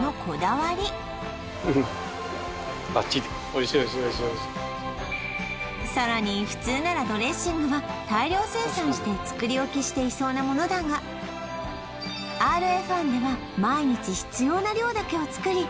これもＲＦ１のさらに普通ならドレッシングは大量生産して作り置きしていそうなものだがＲＦ１では毎日必要な量だけを作り